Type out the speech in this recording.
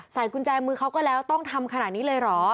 กุญแจมือเขาก็แล้วต้องทำขนาดนี้เลยเหรอ